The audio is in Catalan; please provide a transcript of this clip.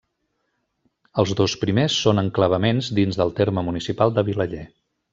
Els dos primers són enclavaments dins del terme municipal de Vilaller.